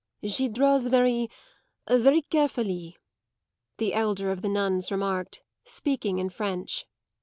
"She draws very very carefully," the elder of the nuns remarked, speaking in French.